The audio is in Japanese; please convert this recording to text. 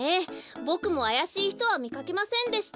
ボクもあやしいひとはみかけませんでした。